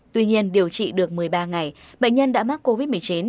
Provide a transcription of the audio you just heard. tuy nhiên điều trị được một mươi ba ngày bệnh nhân đã mắc covid một mươi chín